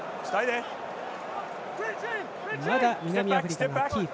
まだ南アフリカがキープ。